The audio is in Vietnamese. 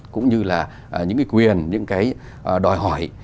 cũng như là những quyền những đòi hỏi